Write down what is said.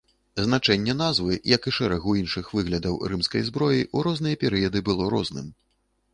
Значэнне назвы, як і шэрагу іншых выглядаў рымскай зброі, у розныя перыяды было розным.